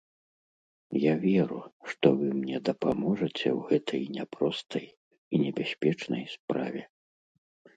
Я веру, што вы мне дапаможаце ў гэтай няпростай і небяспечнай справе.